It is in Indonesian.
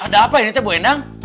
ada apa ini teh bu endang